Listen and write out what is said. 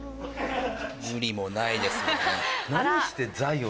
無理もないですよね。